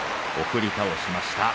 送り倒しました。